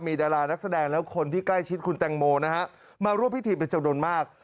มีดารานักแสดงและคนที่ใกล้ชิดคุณแตงโมนะฮะมาร่วมพิธีเป็นจำนวนมาก